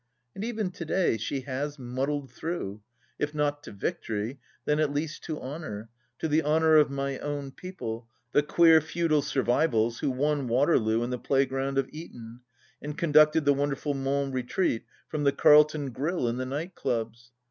And even to day she has muddled through — if not to victory then at least to honour: to the honour of my own people, the queer, feudal survivals who won Waterloo in the playground of Eton — and conducted the wonderful Mons retreat from the Carlton Grill and the Night Clubs